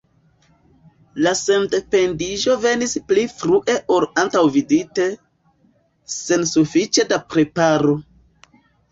La sendependiĝo venis pli frue ol antaŭvidite, sen sufiĉe da preparo.